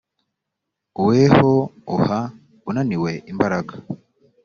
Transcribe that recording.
weho uha unaniwe imbaraga